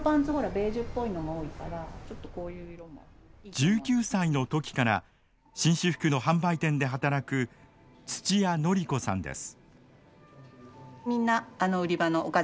１９歳の時から紳士服の販売店で働く土屋徳子さんです。